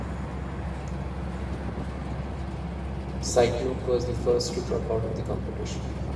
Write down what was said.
"Cycloped" was the first to drop out of the competition.